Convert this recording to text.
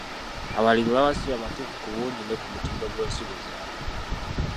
Abalimi baba sibamativu ku bungi ne ku mutindo gw’ensigo zaabwe.